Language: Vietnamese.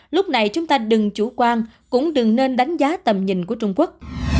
lúc này chúng ta đừng chủ quan cũng đừng nên đánh giá tầm nhìn của trung quốc